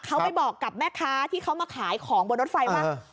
เขาไปบอกกับแม่ค้าที่เขามาขายของบนรถไฟว่า